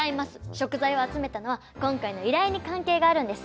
食材を集めたのは今回の依頼に関係があるんです。